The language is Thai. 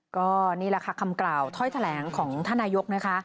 ก็นี่แหละค่ะคำกล่าวถ้อยแถลงของท่านนายกนะคะ